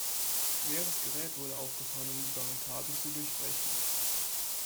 Schweres Gerät wurde aufgefahren, um die Barrikaden zu durchbrechen.